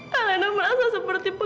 karena merasa seperti